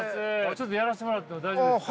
ちょっとやらしてもらっても大丈夫ですか？